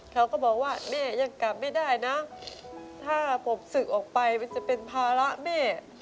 เขาก็บอกว่าแม่ยังกลับไม่ได้นะถ้าผมศึกออกไปมันจะเป็นภาระแม่